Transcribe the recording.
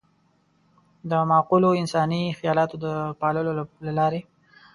د معقولو انساني خيالاتو د پاللو له لارې.